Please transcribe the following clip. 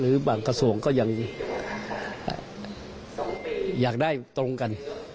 บางกระทรวงก็ยังอยากได้ตรงกัน